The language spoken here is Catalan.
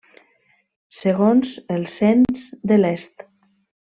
Segons el cens de l'est.